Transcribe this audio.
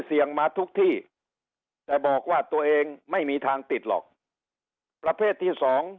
มาทุกที่แต่บอกว่าตัวเองไม่มีทางติดหรอกประเภทที่สอง